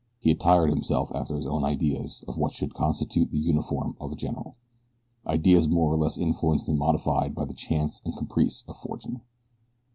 He attired himself after his own ideas of what should constitute the uniform of a general ideas more or less influenced and modified by the chance and caprice of fortune.